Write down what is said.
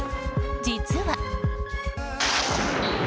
実は。